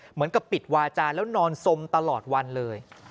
เหมือนกับปิดวาจาแล้วนอนสมตลอดวันเลย